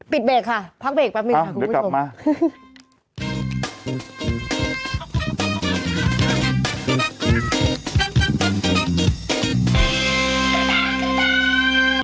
เบรกค่ะพักเบรกแป๊บหนึ่งค่ะคุณผู้ชม